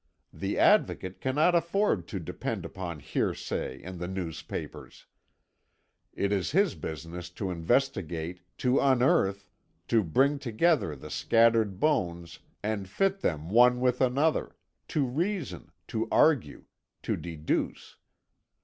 The Advocate cannot afford to depend upon hearsay and the newspapers. It is his business to investigate, to unearth, to bring together the scattered bones and fit them one with another, to reason, to argue, to deduce.